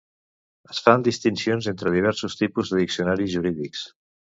Es fan distincions entre diversos tipus de diccionaris jurídics.